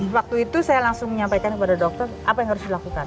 waktu itu saya langsung menyampaikan kepada dokter apa yang harus dilakukan